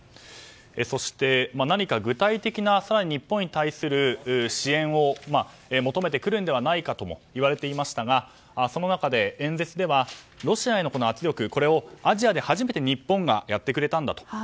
そして、何か具体的に日本に対する支援を求めてくるのではないかともいわれていましたがその中で、演説ではロシアへの圧力をアジアで初めて日本がやってくれたと。